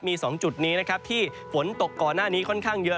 มี๒จุดนี้นะครับที่ฝนตกก่อนหน้านี้ค่อนข้างเยอะ